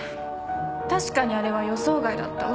確かにあれは予想外だったわ。